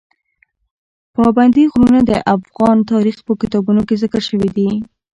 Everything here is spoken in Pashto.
پابندی غرونه د افغان تاریخ په کتابونو کې ذکر شوی دي.